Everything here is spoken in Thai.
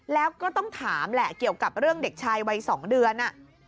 แล้วก็ต้องถามแหละเกี่ยวกับเรื่องเด็กชายวัย๒เดือน